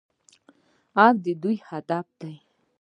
او د دوی هدف دی.